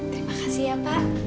terima kasih ya pak